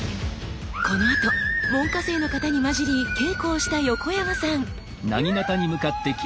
このあと門下生の方に交じり稽古をした横山さん。